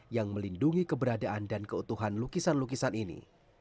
yang melindungi keberadaan dan keutuhan lukisan lukisan ini